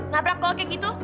gabrak kalau kayak gitu